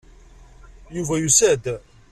Yuba yusa-d.